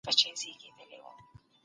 د غوړیو فابریکه هره ورځ نوي تولیدات لري.